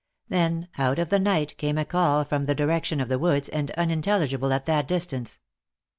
Then, out of the night, came a call from the direction of the woods, and unintelligible at that distance.